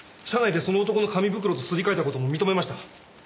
車内でその男の紙袋とすり替えた事も認めました。